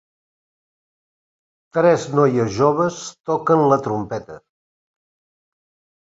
Tres noies joves toquen la trompeta.